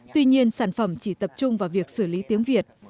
tuy nhiên sản phẩm chỉ tập trung vào việc xử lý tiếng việt